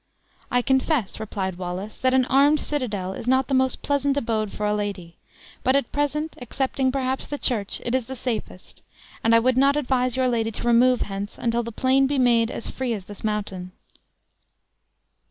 "I confess," replied Wallace, "that an armed citadel is not the most pleasant abode for a lady; but at present, excepting perhaps the church, it is the safest; and I would not advise your lady to remove hence, until the plain be made as free as this mountain."